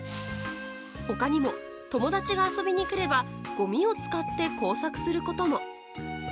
他にも、友達が遊びに来ればごみを使って工作することも。